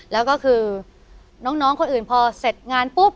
แล้วก็คือน้องคนอื่นพอเสร็จงานปุ๊บ